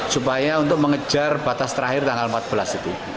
supaya untuk mengejar batas terakhir tanggal empat belas itu